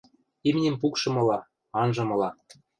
Имним пукшымыла, анжымыла.